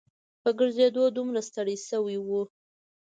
په ګرځېدو دومره ستړي شوي وو.